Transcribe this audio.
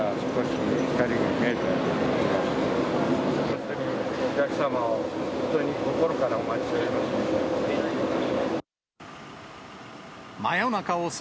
本当にお客様を本当に心からお待ちしております。